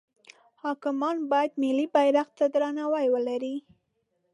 حاکمان باید ملی بیرغ ته درناوی ولری.